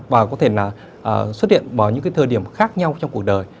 và có thể xuất hiện vào những thời điểm khác nhau trong cuộc đời